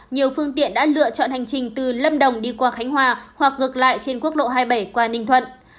nhiều phương tiện đã lựa chọn hành trình từ lâm đồng đi qua khánh hòa hoặc ngược lại trên quốc lộ hai mươi bảy qua ninh thuận